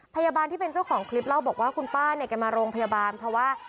พยาบาลที่เป็นเจ้าของคลิปเล่าบอกว่าคุณป้าเนี่ยแกมาโรงพยาบาลเพราะว่า